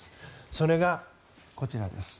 それが、こちらです。